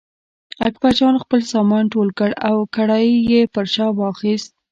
اکبرجان خپل سامان ټول کړ او کړایی یې پر شا واخیست.